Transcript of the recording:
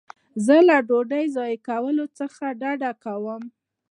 زه له ډوډۍ ضایع کولو څخه ډډه کوم.